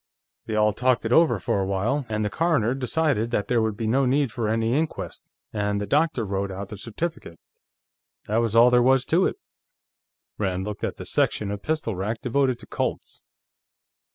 They all talked it over for a while, and the coroner decided that there would be no need for any inquest, and the doctor wrote out the certificate. That was all there was to it." Rand looked at the section of pistol rack devoted to Colts.